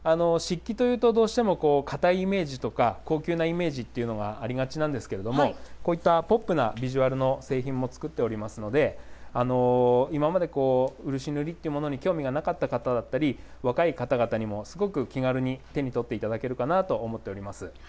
漆器というと、どうしても、堅いイメージとか、高級なイメージというのがありがちなんですけれども、こういったポップなヴィジュアルの製品も作っておりますので、今まで漆塗りっていうものに興味がなかった方だったり、若い方々にもすごく気軽に手に取っていただけるかなと思っております。